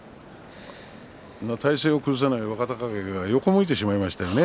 体勢を崩さない若隆景が横を向いてしまいました。